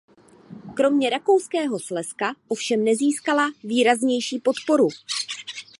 Kromě Rakouského Slezska ovšem nezískala výraznější podporu.